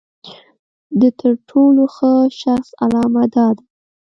د تر ټولو ښه شخص علامه دا ده.